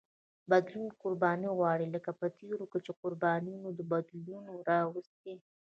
بدلون قرباني غواړي لکه په تېر کې چې قربانیو بدلونونه راوستي.